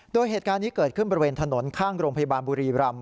โดยเหตุการณ์นี้เกิดขึ้นบริเวณถนนข้างโรงพยาบาลบุรีรำ